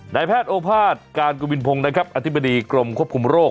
นายแพทย์โอภาษย์การกุมินพงษ์อธิบดีกรมควบคุมโรค